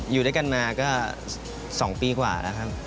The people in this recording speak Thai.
อยู่ด้วยกันมาก็๒ปีกว่าแล้วครับ